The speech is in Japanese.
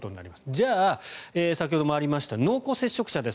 じゃあ、先ほどもありました濃厚接触者です。